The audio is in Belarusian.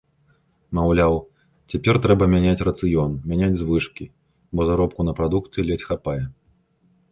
Маўляў, цяпер трэба мяняць рацыён, мяняць звычкі, бо заробку на прадукты ледзь хапае.